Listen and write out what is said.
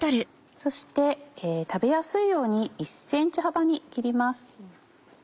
そして食べやすいように１ｃｍ幅に切ります。